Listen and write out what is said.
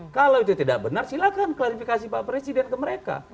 kalau itu tidak benar silahkan klarifikasi pak presiden ke mereka